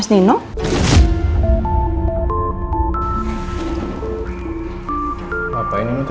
saya tidak tahu